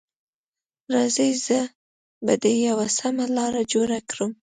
راځئ، زه به دې ته یوه سمه لاره جوړه کړم.